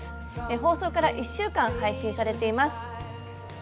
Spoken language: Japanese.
放送から１週間配信されています。